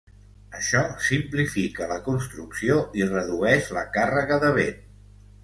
Això simplifica la construcció i redueix la càrrega de vent.